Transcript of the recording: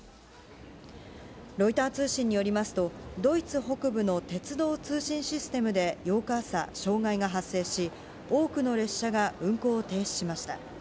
ロイター通信によりますと、ドイツ北部の鉄道通信システムで８日朝、障害が発生し、多くの列車が運行を停止しました。